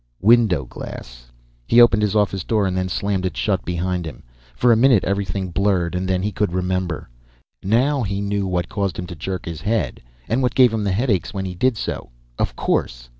Window glass. He opened his office door and then slammed it shut behind him. For a minute everything blurred, and then he could remember. Now he knew what caused him to jerk his head, what gave him the headaches when he did so. Of course.